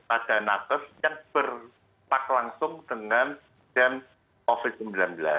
ada nakes yang bertak langsung dengan covid sembilan belas